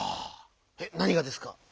えなにがですか？